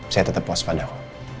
saya tetap puas padaku